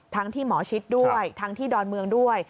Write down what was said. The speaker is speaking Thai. ที่หมอชิดด้วยทั้งที่ดอนเมืองด้วย